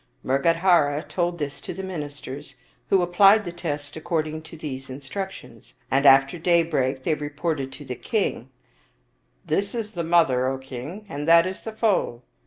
Mrgadhara told this to the ministers, who applied the test according to these instructions, and after daybreak they re ported to the king, " This is the mother, O king, and that is the foal."